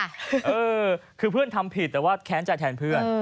เออคือเพื่อนทำผิดแต่ว่าแค้นใจแทนเพื่อน